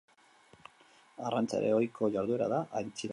Arrantza ere ohiko jarduera da aintziran.